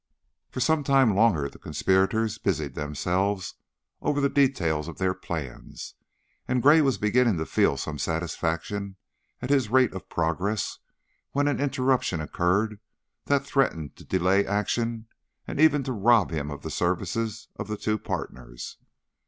For some time longer the conspirators busied themselves over the details of their plans, and Gray was beginning to feel some satisfaction at his rate of progress when an interruption occurred that threatened to delay action and even to rob him of the services of the two partners.